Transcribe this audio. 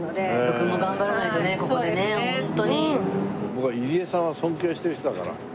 僕は入江さんは尊敬してる人だから。